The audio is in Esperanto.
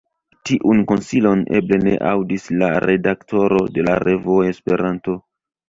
Tiun konsilon eble ne aŭdis la redaktoro de la revuo Esperanto.